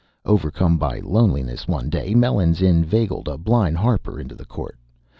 Overcome by loneliness one day, Melons inveigled a blind harper into the court.